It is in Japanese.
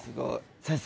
先生